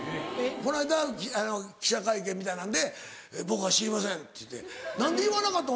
この間記者会見みたいなんで「僕は知りません」っつって。何で言わなかったん？